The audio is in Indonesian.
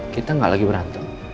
kita ga lagi berantem